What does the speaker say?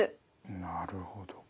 なるほど。